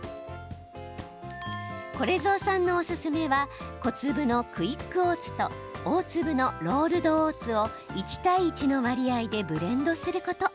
これぞうさんのおすすめは小粒のクイックオーツと大粒のロールドオーツを１対１の割合でブレンドすること。